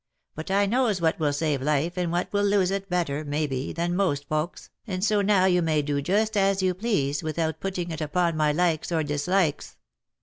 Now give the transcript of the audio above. But I knows what will save life, and what will lose it, better, maybe, than most folks, and so now you may do just as you please, without putting it upon my likes or dislikes."